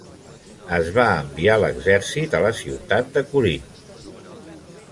Es va enviar l'exèrcit a la ciutat de Corint.